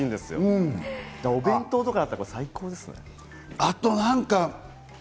お弁当とかだったら最高ですね。